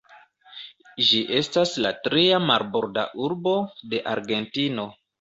Ĝi estas la tria marborda urbo de Argentino.